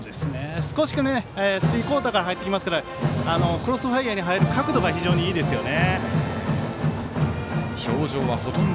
少しスリークオーターから入ってきてクロスファイアーの角度が非常にいいですよね。